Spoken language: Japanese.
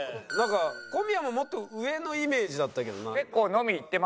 なんか小宮ももっと上のイメージだったけどな。